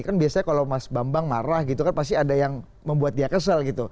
kan biasanya kalau mas bambang marah gitu kan pasti ada yang membuat dia kesel gitu